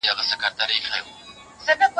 یا فلاني څلورویشت کاله هېڅ نه وو خوړلي.